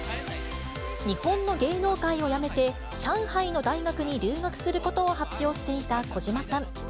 日本の芸能界を辞めて、上海の大学に留学することを発表していた小島さん。